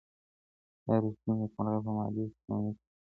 ايا رښتيني نېکمرغي په مادي شتمنۍ کي ده؟